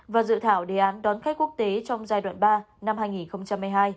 và dự thảo đề án đón khách quốc tế trong giai đoạn ba năm hai nghìn hai mươi hai